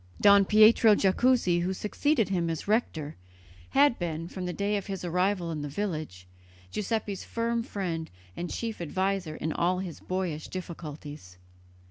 Don Pietro Jacuzzi, who succeeded him as rector, had been, from the day of his arrival in the village, Giuseppe's firm friend and chief adviser in all his boyish difficulties.